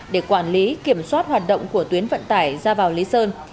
để quản lý kiểm soát hoạt động của tuyến vận tải ra vào lý sơn